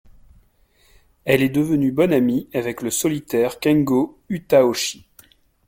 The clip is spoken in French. Elle est devenue bonne amie avec le solitaire Kengo Utahoshi.